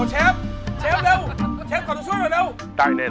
เฮ้ย